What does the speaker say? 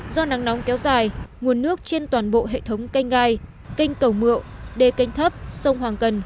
do nắng nóng kéo dài nguồn nước trên toàn bộ hệ thống canh gai canh cầu mượu đề canh thấp sông hoàng cần